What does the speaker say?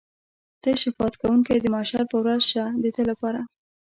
ته شفاعت کوونکی د محشر په ورځ شه د ده لپاره.